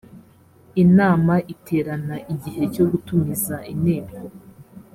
inama iterana igihe cyo gutumiza inteko